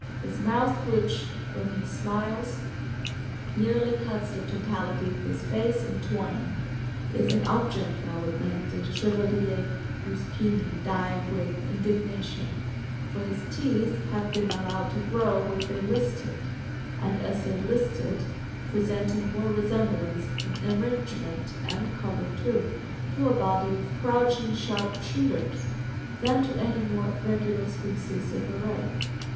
His mouth which, when he smiles, nearly cuts the totality of his face in twain, is an object that would make the Chevalier Ruspini die with indignation; for his teeth have been allowed to grow where they listed, and as they listed, presenting more resemblance, in arrangement (and colour too), to a body of crouching sharp shooters, than to any more regular species of array.